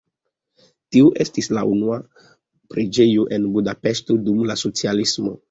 Tio estis la una preĝejo en Budapeŝto dum la socialismo.